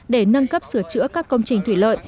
để nâng cấp sửa chữa các công trình thủy lợi